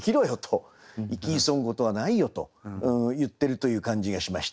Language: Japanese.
生き急ぐことはないよと言ってるという感じがしまして。